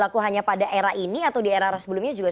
berlaku hanya pada era ini atau di era sebelumnya juga